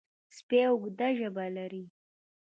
سپي اوږده ژبه لري.